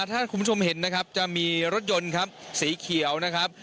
ถ้าคุณผู้ชมเห็นนะครับจะมีรถยนต์ครับสีเขียวนะครับ